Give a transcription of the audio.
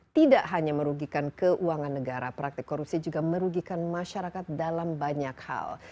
tidak hanya merugikan keuangan negara praktik korupsi juga merugikan masyarakat dalam banyak hal